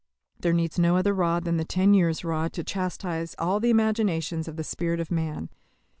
There needs no other rod than that ten years' rod to chastise all the imaginations of the spirit of man.